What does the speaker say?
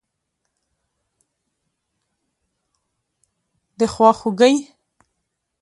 دخوا خوګۍ